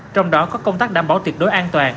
trong đó có công tác đảm bảo tuyệt đối an toàn